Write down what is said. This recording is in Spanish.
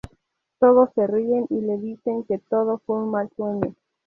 Todos se ríen y le dicen que todo fue un mal sueño.